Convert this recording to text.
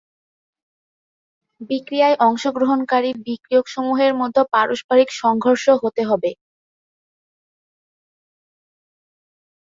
আলু ভর্তায় বিভিন্ন উপাদান যোগ করায় এর বিভিন্নতা এসেছে।